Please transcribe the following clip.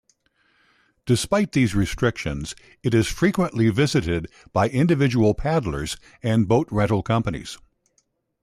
Despite these restrictions it is frequently visited by individual paddlers and boat rental companies.